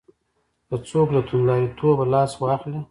که څوک له توندلاریتوبه لاس واخلي.